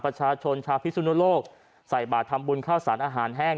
ประชาชนชาวพิสุนโลกใส่บาททำบุญข้าวสารอาหารแห้ง